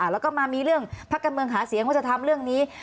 แล้วก็มามีเรื่องพักการเมืองหาเสียงว่าจะทำเรื่องนี้